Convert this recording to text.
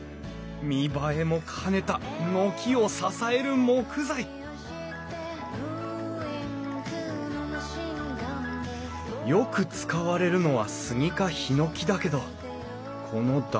見栄えも兼ねた軒を支える木材よく使われるのはスギかヒノキだけどこの断面。